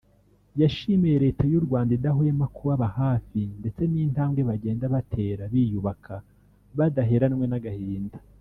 yashimiye Leta y’u Rwanda idahwema kubaba hafi ndetse n’intambwe bagenda batera biyubaka badaheranwe n’agahinda